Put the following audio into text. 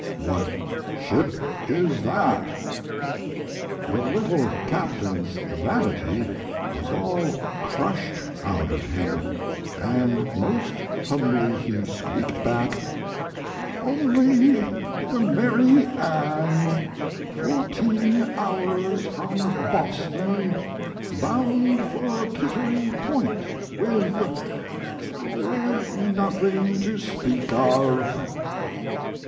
What ship is that?' The little captain's vanity was all crushed out of him, and most humbly he squeaked back: 'Only the Mary Ann fourteen hours from Boston, bound for Kittery Point with with nothing to speak of!'